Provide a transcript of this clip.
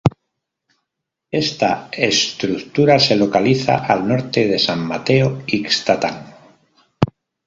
Esta estructura se localiza al norte de San Mateo Ixtatán.